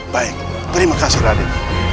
baik terima kasih raden